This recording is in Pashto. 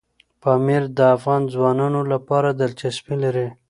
پامیر د افغان ځوانانو لپاره دلچسپي لري.